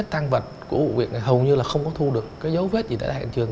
cái thang vật của vụ việc này hầu như là không có thu được cái dấu vết gì tại đại hành trường